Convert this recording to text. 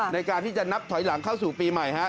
ในการที่จะนับถอยหลังเข้าสู่ปีใหม่